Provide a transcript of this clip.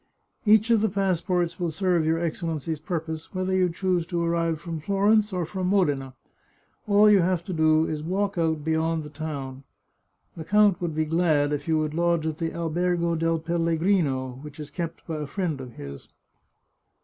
Each of the passports will serve your Excellency's purpose, whether you choose to arrive from Florence or from Modena. All you have to do is to walk out beyond the town. The count would be glad if you would lodge at the Albergo del Pellegrino, which is kept by a friend of his."